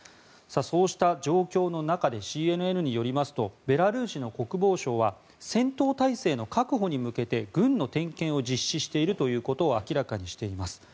そうした状況の中でＣＮＮによりますとベラルーシの国防相は戦闘態勢の確保に向けて軍の点検を実施しているということを明らかにしています。